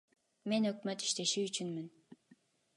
Мен өкмөт иштеши үчүнмүн.